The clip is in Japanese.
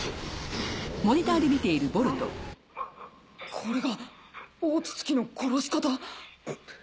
これが大筒木の殺し方？